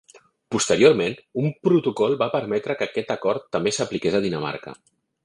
Posteriorment, un protocol va permetre que aquest acord també s'apliqués a Dinamarca.